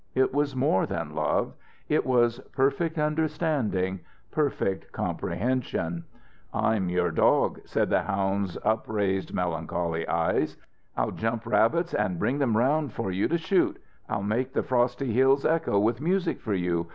It was more than love it was perfect understanding, perfect comprehension. "I'm your dog," said the hound's upraised, melancholy eyes. "I'll jump rabbits and bring them around for you to shoot. I'll make the frosty hills echo with music for you.